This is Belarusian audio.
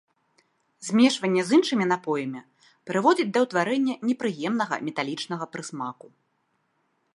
Змешванне з іншымі напоямі прыводзіць да ўтварэння непрыемнага металічнага прысмаку.